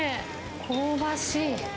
香ばしい。